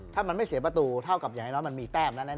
ถ้ามันไม่เสียประตูเท่ากับอย่างน้อยมันมีแต้มแล้วนะ